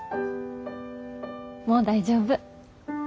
もう大丈夫。